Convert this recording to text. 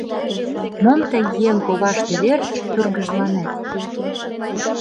— Мом тый еҥ коваште верч тургыжланет!